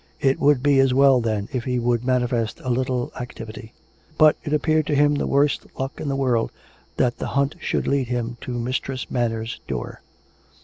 It would be as well, then, if he would manifest a little activity. ... But it appeared to him the worst luck in the world tliat the hunt should lead him to Mistress Manners' door.